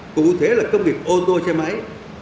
cụ thể là công nghiệp ô tô xe máy